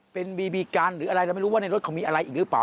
เป็นบีบีกันหรืออะไรเราไม่รู้ว่าในรถเขามีอะไรอีกหรือเปล่า